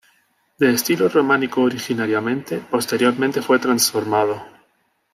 De estilo románico originariamente, posteriormente fue transformado.